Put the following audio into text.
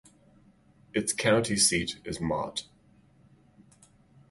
Its county seat is Mott.